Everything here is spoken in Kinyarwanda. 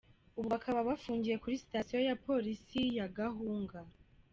Ubu bakaba bafungiye kuri sitasiyo ya Polisi ya Gahunga.